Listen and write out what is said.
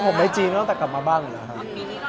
ผมไปจีนก็ต้องกลับมาบ้างอยู่แล้ว